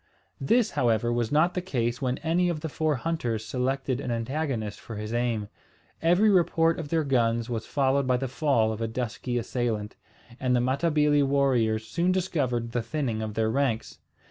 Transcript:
This, however, was not the case when any of the four hunters selected an antagonist for his aim. Every report of their guns was followed by the fall of a dusky assailant; and the Matabili warriors soon discovered the thinning of their ranks.